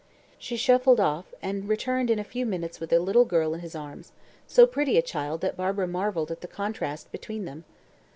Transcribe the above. He shuffled off, and returned in a few minutes with a little girl in his arms: so pretty a child that Barbara marvelled at the contrast between them.